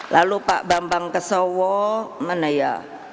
lalu pak bambang kesowo mana ya